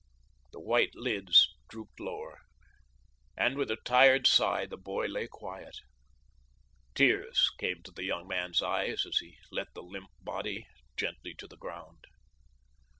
The white lids drooped lower, and with a tired sigh the boy lay quiet. Tears came to the young man's eyes as he let the limp body gently to the ground.